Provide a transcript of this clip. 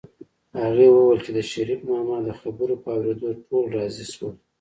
هغې وویل چې د شريف ماما د خبرو په اورېدو ټول راضي شول